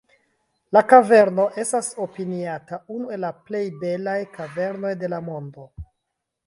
La kaverno estas opiniata unu el la plej belaj kavernoj de la mondo.